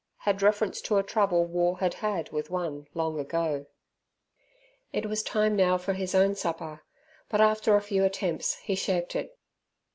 had reference to a trouble War had had with one long ago. It was now time for his own supper, but after a few attempts he shirked it.